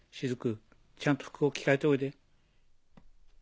雫ちゃんと服を着替えておいで。